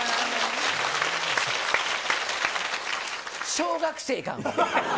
小学生か。